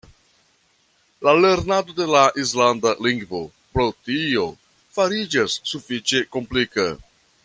La lernado de la islanda lingvo pro tio fariĝas sufiĉe komplika.